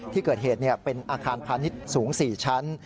ที่เกิดเหตุเป็นอาคารพาณิชย์สูง๔ชั้น